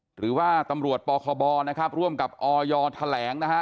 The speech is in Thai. หรือว่าตำรวจปคบนะครับร่วมกับออยแถลงนะฮะ